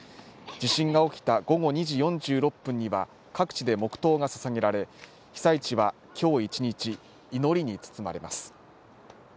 地震が起きた午後２時４６分には各地で黙とうがささげられ被災地は今日一日祈りにつつまれます。